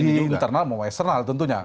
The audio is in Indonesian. di internal mau eksternal tentunya